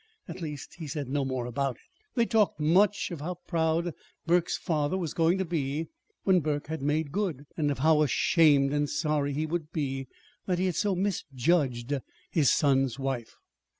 At least he said no more about it. They talked much of how proud Burke's father was going to be when Burke had made good, and of how ashamed and sorry he would be that he had so misjudged his son's wife.